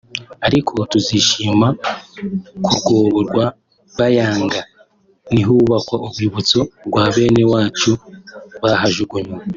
ariko tuzishima ku rwobo rwa Bayanga nihubakwa urwibutso rwa bene wacu bahajugunywe